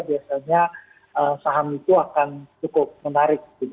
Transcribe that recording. biasanya saham itu akan cukup menarik gitu posisinya